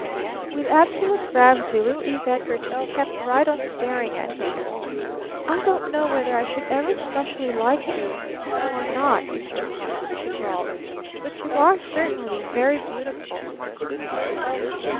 With absolute gravity little Eve Edgarton kept right on staring at him. "I don't know whether I should ever specially like you or not, Mr. Barton," she drawled. "But you are certainly very beautiful!"